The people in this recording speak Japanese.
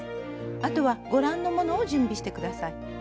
あとはご覧のものを準備して下さい。